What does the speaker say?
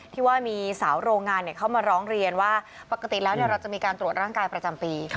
ที่ว่ามีสาวโรงงานเข้ามาร้องเรียนว่าปกติแล้วเราจะมีการตรวจร่างกายประจำปี